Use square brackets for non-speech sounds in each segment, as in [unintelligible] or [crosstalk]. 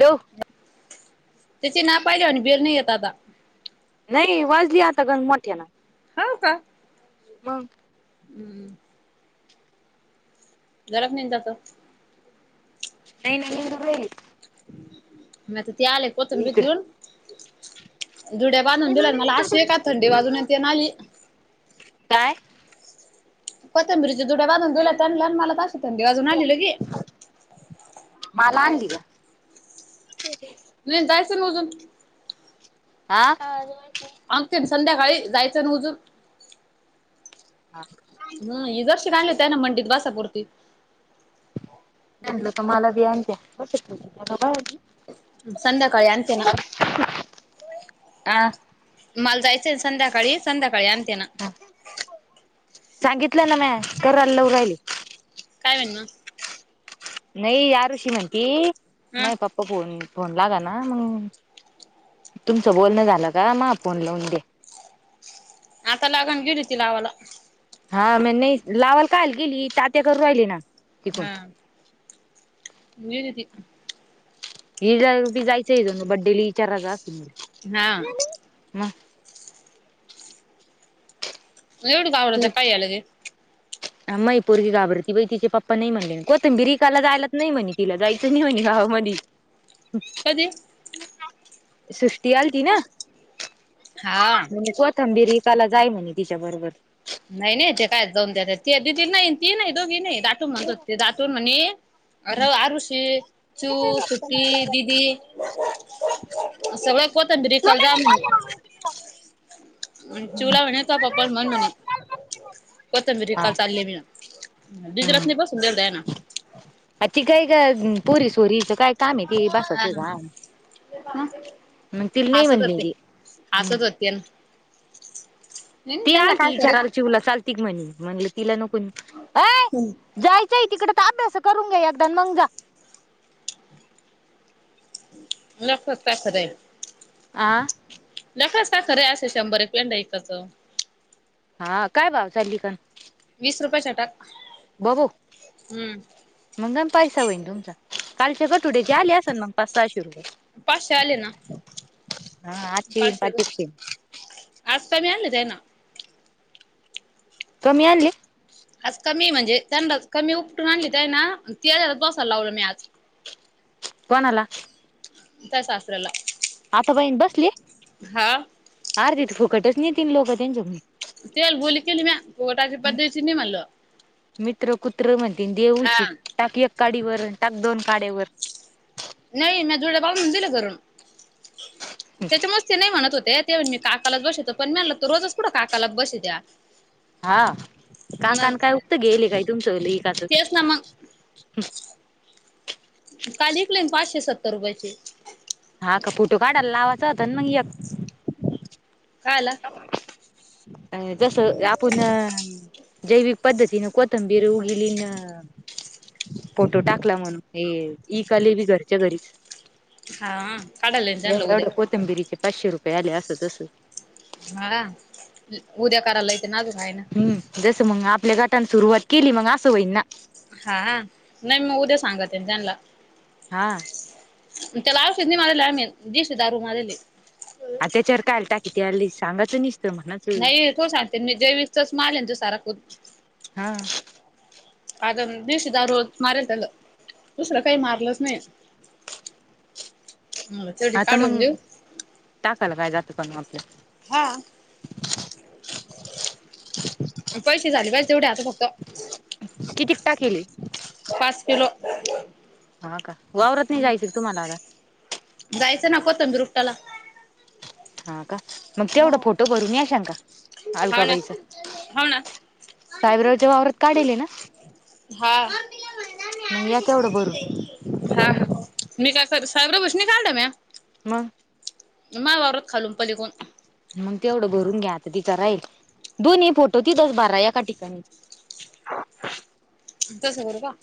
Hello त्याची ना पाहिजे आणि बिर नाही येत आता नाही वाजली आता गंगमठ्या ना होा का मग हम्म. घरात नाही जातो. नाही नाही निंग बेरी. नाही त ते आले कोतून भी इकड घेऊन जुड्या बांधून दिल्या आणि मला अशी आहे का थंडी बाजून य ना आली. काय कोथबरीच्या दुड्या वाजून दिला आण आणि मला तासतंडी वाजून आलेलो गी माला आण आणला ह नाही दायचमोजून हा अंते संध्याकाळी जायचं ना उजून हा ह ह जर्शी का आणलेत ना म्हणट वासापुरती जलं तर मला बी आण्या कला संध्याकाळी अंते ना हा मालदयेते संध्याकाळी संध्याकाळी अंते ना सांगितलं ना म क लव राहिली काय म्हण ना नई याारु श्रीमती हा माई पप फोन फोन लागा ना मग तुमचं बोलणं झालं का म फोन लावून दे आता लागान गेली होती लावाला हा म नाही लावाल काल गेली तात्या करू राहिली ना तिकून हाेत त ही जायचंय जाोन बड्डेली चारा अस हा ह लेवड गावडत काय आलंगे मैपोरी गाभरती बाई तिचे पप्पा नाही म्हणले कोथंबिर एकाला जायलाच नाही म्हणे तिला जायचं नाही म्हणे गावामध्ये हो सृष्टी आल ती ना हा म्हणजे कोथंबीर हिकाला जाय म्हणे तिच्याबरोबर नाही नाही ते काय जाऊन त्या दि नाही ती नाही दोघी नाही दाटून म्हणतो ते दाटून म्हणे अर आर स चू सुट ददी सगळ को होत रिखाल जाम हम्म. चूला म्हणे त पप्पा मन म्हणे कोथबीरी हा काल चालली मी ना द हम्म रातनी बसून देऊ द आहे ना आ ती काय का पोरी सोरीचं काय काम आहे त हा बसाचं घम म तिल नाही हसत होते. म्हनलीी हम् हसत होते ना नाही नाही ती त्यांना आल त काय वि खरं चाराला चिवला चालती क म्हणे म्हणले तिला नको अ हम् जायचं आहे तिकडे तर अभ्यास करून घ्या एकदा मग जा नस तसं राहील आ नकाता खरे असं शंभर रपयांड एकाचं हा काय भाव सलिकन वीस रुपये चटाक बबू मग पैसा होईन तुमचा कालच्या कटुड्याचे आले असेल मग पाच सहाशे रुपये भाषा हले ना हा आठशे येईन पाचशे आज का मी आलच आहे ना कमी आणली आज कमी म्हणजे ंड कमी उपटून आणली तर आहे ना ते दोसाला लावलं मी आज कोण हला त्या शास्त्रला आता बहिण बसले अर तथ फुकटच नाही तीन लोक त्यांच्याक तेल बोली केली म पोटाची पद्धती नाही म्हणलो मित्र कुत्र म्हणते हा देऊलची टाक एक काडीवर टाक दोन काड्यावर नाही म जोड्या पावून दिलं करून त्याच्या मस्त ते नाही म्हणत होते ते मी काकालाच बसितो पण म्हलं तरो रोजच पुठं काकाला बसित्या हा काकान काय उक्त गेले काय तुमचं एकाचं तेच ना मग कालिकले पाचशे सत्तर रुपयाची हा का फोटो काढाल लावाचां मग एक कायला अ जसं आपण जैविक पद्धतीने कोथंबीर उगली न फोटो टाकला म्हणून हे ईकले बी घरच्या घरीच हा काढायला त्यांना एवढ उद्या एवढ कोथंबिरीचे पाचशे रुपये आले असं तस हा उद्या करायलायच नाजू काय ना ह् जसं मग आपल्या गटाने सुरुवात केली मग असं होईन ना हा नाही मग उद्या सांगत ये त्यांना हा त्याला आवश नाही मझ आ दिश दारू मझली त्याच्याार कायल टा किती सगाचं नाही तो सांगते मी जैविकच मालेन त सारा खू हा आता दिवशी द रोज मारायचलं दुसरं काही मारलंच नाही मला तेवढी हा तर काढून मग देऊ टाकायल काय जात काण आपल्या हा पैसे झाले पहिसे तेवढे आता फक्त कितीिक टा केेली पाच किलो हा का वावरत नाही जायच तुम्हाला आता जायचं नको तंदुरुपतााला हा का मग तेवढा हाव फोटो भरूनून या शंका ना अलकाबाईचा हाव ना साहेबराजेववरात काढले ना हा मग या तेवढं भरून हा हा मी काय कर साहेबरा भषनी काला म्या मग माया वावरात्त खालून पलीकडून मग तेवढं भरून घ्या आता तिचा राहील दोन्ही फोटो तिथंच भरा एका ठिकाणी. [unintelligible] तस करू का?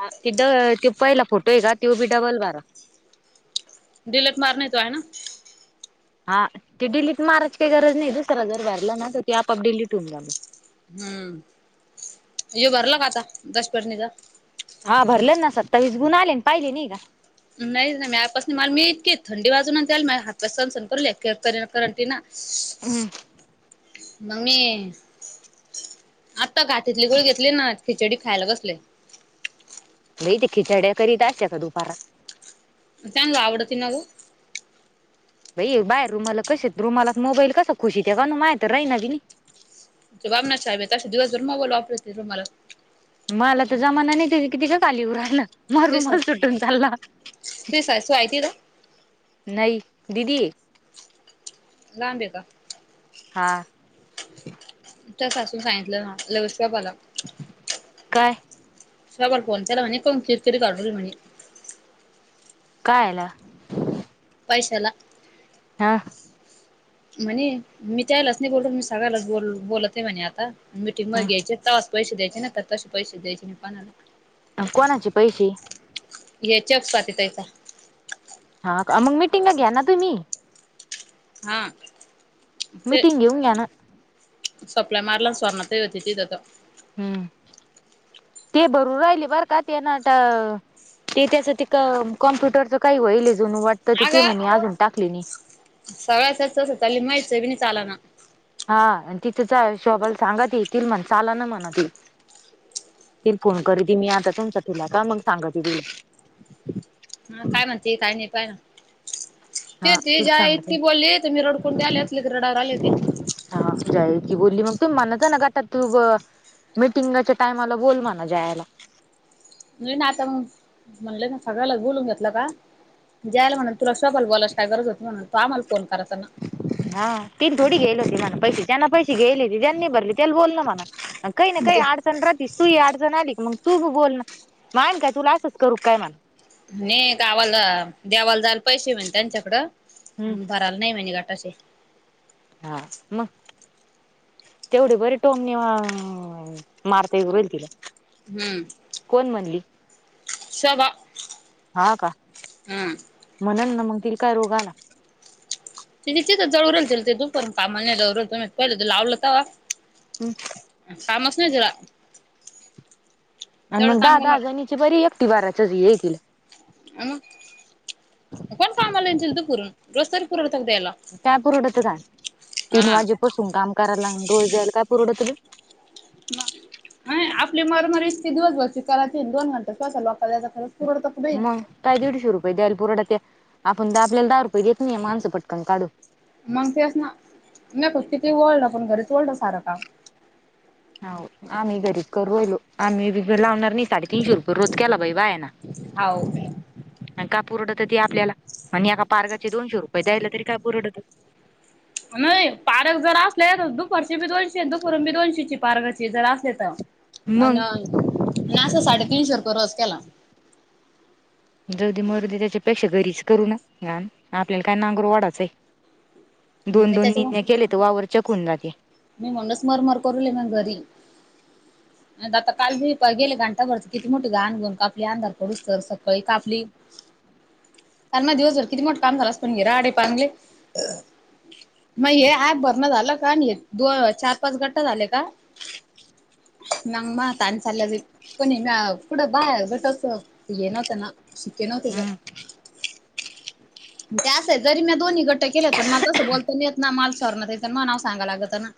हा ते ड ते पहिला फोटो ये का त्यो बी डबल भरा. डिलट मार नाही तो आहे ना. हा ते डिलीट मारायची काही गरज नाही दुसरा जर भरलं ना तर ते आपोआप डिलीट होऊन जाणार. हम्म ज भरला का आता दश पटणीचा हा भरलेन ना सत्तावीस गुण आले पाहिले नाही का? नाही नाही म्यापासून माल मी इतकीे थंडी बाजूनला द्याला माझ्या हातपासस सण सण करले. कर करंटी ना मगमी आता घाातीतले गुळ घेतली ना खिचडी खायला कसले म इ ते खिचड्या करीत असते का दुपारा त्यांना आवडती ना गं. बाई बाहेर रुमाल कसे रुमालात मोबाईल कस खुशीते काय न्यू माया तर राहिना बी जबाब नाना ब ता दिवसभर मोबाईल वापरते रुमालात मला तर जमाना नाही किती का खाली येऊ राहिला. माया तुझी रुमाल सासू तुटून चालला. तुझी सासू आहे तिथं नाही दिदी. लांब ये का? हा. तसासून सांगितलं ना लवश बापाला काय? सबर कोण त्याला म्हणे कोण खिचकरी काढू म्हणे. काय आला. पैसेला. हा. म्हणे मी त्यालाच नाही बोललो मी सगळ्यानाच बोलते म्हणे आता मिटिंग मग घ्यायचे तेव्हाच पैसे द्यायचे ना तर तसे पैसे द्यायचे नाही कोणाला. कोणाचे पैसे? या चक् स्वाती ताईचा हा मग मीटिंग घ्या ना तुम्ही? हा ते मिटिंग घेऊन घ्या ना सप्लाय मारला सुवर्णा ताई होती तिथं तर हम्म ते भरू राहिले बर का ते नट. ते त्याच ते कॉम्प्युटरचं काही होईल जनु वाटतं तर ते म्हणे अजून टाकले नाही. सगळ्याचस तस त्याला माहिती बी नाही चालाना. हा आणि तिथच जा आणि शोभा ला सांगा ते येतील म्हणावं चाला ना म्हणावं ते ती फोन करती मी आता तुमचा तिला का मग सांगते तिला हा काय म्हणते काय नाय काय? ते हा तीच तिची आई सांगते इतकी बोलली की मी रडकुडी आले रडायला आले होते. हा जाय की बोलली मग तु म्हणायचं ना गटात तू गं. मीटिंगच्या टाइमाला बोल म्हणावं जयाला नाही ना आता मग म्हणले ना सगळ्यानाच बोलून घेतलं का जयाला म्हणावं. तुला संबळ बोलायची काय गरज होती म्हणावं तू आम्हाला फोन करायचा ना. हा तीन थोडी घेत होती म्हणावं पैसे त्याने पैसे घ्यालले होती त्यांनी भरले त्याला बोल ना म्हणव. काही ना काही म्हणजे अडचण राहतीस तू अडचण आली मग तू बोल ना मान का तुला असंच करू काय म्हणा. नाही गावाला देवाला जायला पैसे म्ह त्यांच्याकडं. हम्म आणि भरायला नाही म्हणजे घाटा असे. हा म. तेवढी बरी टोमणी मारता ये होईल तिला हम्म. कोण म्हणली. शवा हम. म्हणन ना मग तिला काय रोगा ना. त तिथं जळल ते तूनपर्ंत कामाला नाही जल त पहिलं त लावलं तर हम्. कामस ये जरा आणि मग दहा दहा जणीची बरी एकटी बाराच्या हे केलं मग कोण कामाला तू पुरून रोज तर [inaudible] काय पुरड होतं का तीन हा वाजेपसून काम करायला रोज द्यायला काय परवडत रे आपली मरमारी इतकी दिवसभरची करायची अन दोन घंटे कशाला लोकाला द्यायचे मग काय दीडशे रुपये द्याल पुरठा ते आपण द आपल्याला दहा रुपये देत नाही माणसं पटकन काढू. मग ते अस ना नाही फक् तिथ ओळलं पण घरीच ओळलं सारं का हो आम्ही घरी करूहिलो आम्ही ब लावणार नाही साडेतीीनशे रुपये रोज केला भाई बा आहे ना. होव. आणि का पुरड होत तेी आपल्याला आणि एका पार्गाचे दोनशे रुपये द्यायला तरी काय पुरट होत. नाही पारक जर असले दुपरची बी दोनशे दुपरून बी दोनशेची पार्काची जर असले तर. अ मग ना अस साडेतीीनशे रुप रस केला. जगदी मर्दी त्याच्यापेक्षा घरीच करू न घाण आपल्याला काय नांगर वाढाचं आहे. दोन मी दोन त्याच्या निणे केले तर वावर चकून जाते. मी म्हणडस मार मार करूले म घरी. आता काल घ गेले घांटा भरती किती मोठीे घाान गऊन कापली अंधार पडूस तर सकाळी कापली. कार मग दिवसभर किती मोठ काम झालंस पण घे राडे पांगले मग हे ऍप भरण झालं का दो चार पाच घट झाले का. [inaudible] पण म कुठं बाय बटस ये नव्हतं ना. शिके नव्हते तर हम्म त्यास आहे जरी मी दोन्ही गट्ट केलेत पण म. तसं बोलतो नाही येत ना माल शॉरतेत मग नाव सांगाय लागत ना.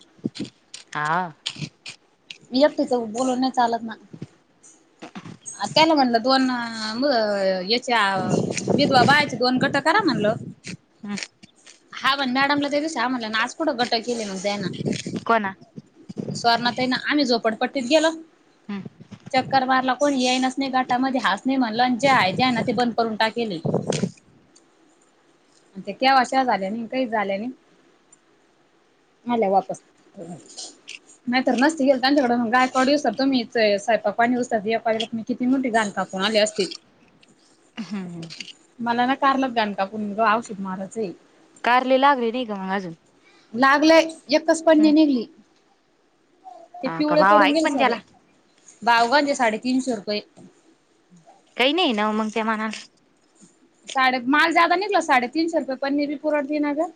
ह. तिथं बोलून नाही चालत ना. कायला म्हणलं दोन मग अ विध बाबायची दोन गट करा म्हणल. हा. हा बण मॅडमला तेच हा म्हला ना आज पुोढं गट केले मग जाना. को ना. स्वर्णात आहे ना आम्ही झोपडपट्टीत गेलो. चक्कर मारला कोणी येईनाच नाही गाटामध्ये हास नाही म्हणला आणि ज्या आहे त्या ना ते बंद करून टाकले. ते क अशा झाल्या नि काही झाल्या नि आले वापस. तर नसती गेल त्यांच्याकड गयकवाडसत तुम्ही सायकणीसत मी किती मोठी गाण कापून आले असते. हम्म मला ना कारल गण कापण मुग औषध महाराचही कारले लागले नाही का मग अजून लागलय एकच पणणे हम्म निघली. ते हा का पिवळे भाव पडून आहे गेल पण सारे त्याला भावगांजे साडेतीीनशे रुपये काही नाही ना मग त्या मनाला साडेे माल ज्यादा निकलो साडे तीनशे रुपय पनीर प पुरट दे नागर..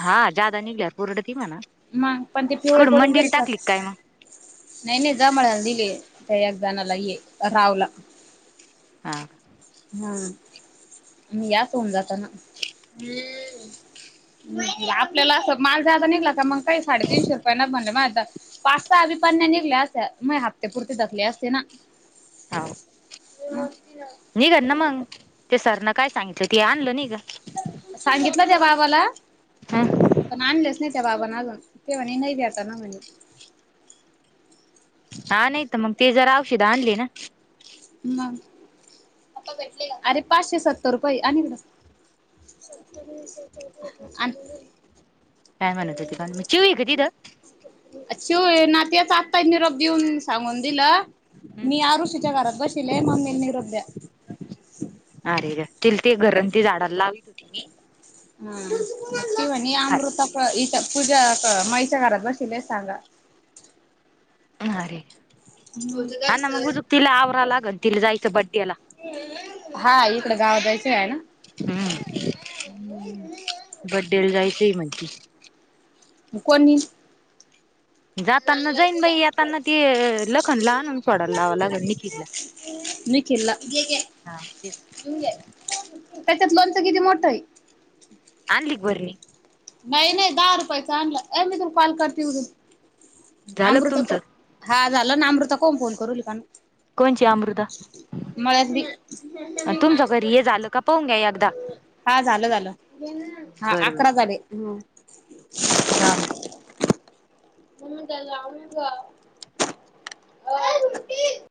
हा जादा निघल्यावर पुरडती म्हणा मग पण ते पिवळे कुड करडून मंडीला गेलत. टाकली काय मग नाही नाही जमळाला दिले त्या एक जणाला ये रावला. हा. हम्म. यात होऊन जाताना ह. आपल्याला अस माल जादा निघला का मग का साडेतीीनशे रुपया म आता पाच अभिपन्या निघल्या म ते पुरते दखले असते ना. हो. ह. निघ ना मग ते सरनं काय सांगितलं ते आणलं नि ग. सांगितलं त्या बाबाला हम. पण आणलेच नाही त्या बाबाांना अजून ते म्हणे नाही भ्याता ना म्हणे. हा नाही तर मग ते जरा औशध आणले ना. म भेटले अरे पाचशे सत्तर रुपये आणिकड आणि काय म्हणत त का म चिव का तीथं. शिव नात्या चाकतय निरोप देऊन सांगून दिलं मी आरुसीच्या घरात बसल मम्मी निरोध्या अरे ज त ते घरण ते झाडाला लावत होती मी हा किव खाली अमृता इथ पूजा मईच्या घरात बसल सांगा. अरे हा ना मग उजक तला आवरा लागल तला जायचं बड्डेला हा इकड गाव जायचं आहे ना. हम्म बडे लजाई सही मर्जी कोणी? जाताना जाईन बाई येताना तेी लखनला आणून सोडाला लावां लागल निखिल नकला ह. हा तेच त्याच्यात लोणचं किती मोठ आहे. अल्क बररी. नाही नाही दहा रुपयचा आणला अ मी त काॉल करते उघून झालं का अमृता तुमचं हा झालं ना अमृता कोण फोन करू लि पण कोणची अमृता बी तुमच घरी हे झालं का पाहून घ्या अदा हा झालं झालं हा बरोबर. अकरा झाले. काल. म का?